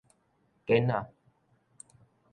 繭仔